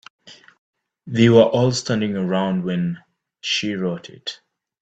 They were all standing around when she wrote it.